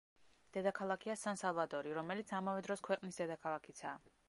დედაქალაქია სან-სალვადორი, რომელიც ამავე დროს ქვეყნის დედაქალაქიცაა.